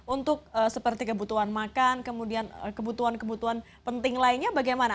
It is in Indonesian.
untuk seperti kebutuhan makan kemudian kebutuhan kebutuhan penting lainnya bagaimana